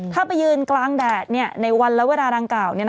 ถ้าไปยืนกลางแดดในวันและเวลาดังกล่าว